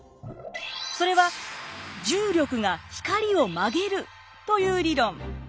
それは重力が光を曲げるという理論。